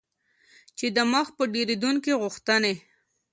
چې د مخ په ډیریدونکي غوښتنې